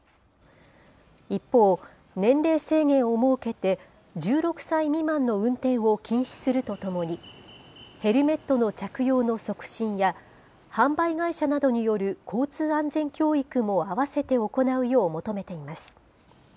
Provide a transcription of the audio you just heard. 一方、年齢制限を設けて１６歳未満の運転を禁止するとともに、ヘルメットの着用の促進や、販売会社などによる交通安全教育も併せて行うよう求めています。